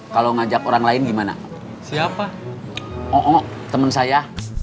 kalau ngajak orang lain gimana siapa ook temen saya